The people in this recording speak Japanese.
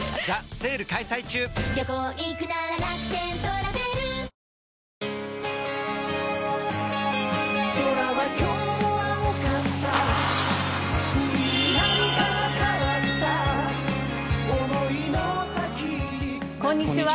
こんにちは。